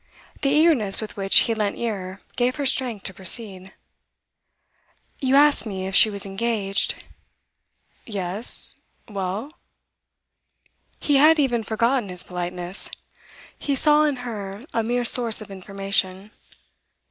The eagerness with which he lent ear gave her strength to proceed. 'You asked me if she was engaged.' 'Yes well?' He had even forgotten his politeness; he saw in her a mere source of information.